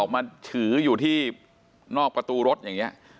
มาถืออยู่ที่นอกประตูรถอย่างนี้